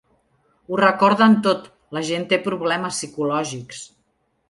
Ho recorden tot, la gent té problemes psicològics.